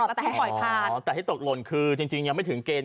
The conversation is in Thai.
ประหลอดแตกขอยผ่านอ๋อแต่ให้ตกหล่นคือจริงยังไม่ถึงเกณฑ์